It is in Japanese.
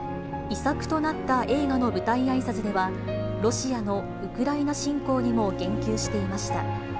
遺作となった映画の舞台あいさつでは、ロシアのウクライナ侵攻にも言及していました。